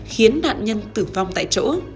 khiến nạn nhân tử vong tại chỗ